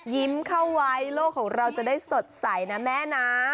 เข้าไว้โลกของเราจะได้สดใสนะแม่นะ